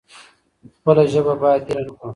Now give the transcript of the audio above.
خپله ژبه بايد هېره نکړو.